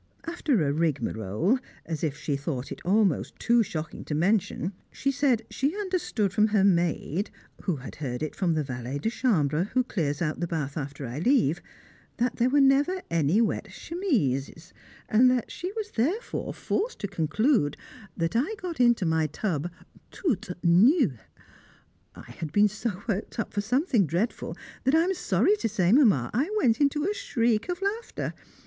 After a rigmarole, as if she thought it almost too shocking to mention, she said she understood from her maid, who had heard it from the valet de chambre who clears out the bath after I leave, that there never were any wet chemises, and that she was therefore forced to conclude that I got into my tub "toute nue!" I had been so worked up for something dreadful, that I am sorry to say, Mamma, I went into a shriek of laughter.